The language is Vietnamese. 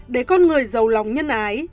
để con người giàu lòng nhân ái